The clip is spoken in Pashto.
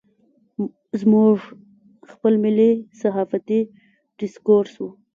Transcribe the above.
زموږ خپل ملي صحافتي ډسکورس و.